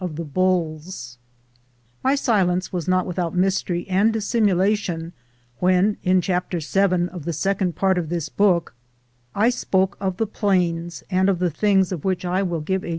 CHAPTER VIII My silence was not without mystery and dissimulation when, in chapter 7 of the second part of this book, I spoke of the plains and of the things of which I will give a.